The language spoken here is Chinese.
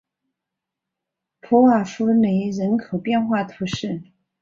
普瓦夫雷人口变化图示